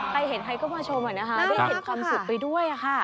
ใครเห็นใครก็มาชมแล้วได้เห็นความสุขไปด้วยค่ะ